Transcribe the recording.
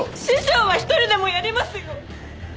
師匠は一人でもやりますよ！